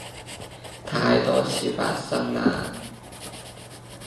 太多事發生喇